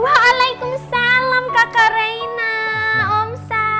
waalaikumsalam kakak reyna om sal